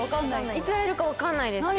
いつ会えるか分かんないです。